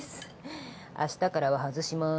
明日からは外します。